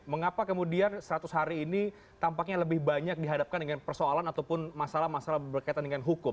mengapa kemudian seratus hari ini tampaknya lebih banyak dihadapkan dengan persoalan ataupun masalah masalah berkaitan dengan hukum